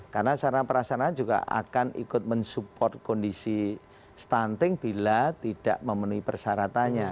karena sarana perasarana juga akan ikut mensupport kondisi stunting bila tidak memenuhi persyaratannya